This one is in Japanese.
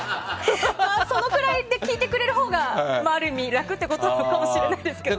そのくらいで聞いてくれるほうがある意味、楽ってことかもしれないですけどね。